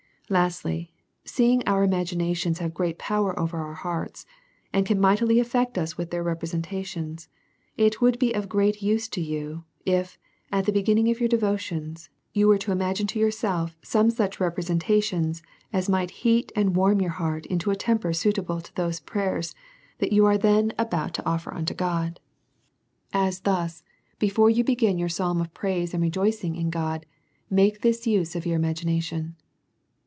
Lastly, Seeing our imaginations have great power over our hearts, and can mightily affect us with their representations, it would be of great use to you, if at the beginning of your devotions, you was to imagine to yourself some such representations, as might heat and warm your heart into a temper suitable to those prayers that you are then about to offer unto God. As thus ; before you begin your psalm of praise and rejoicing in God, make this use of your imagination.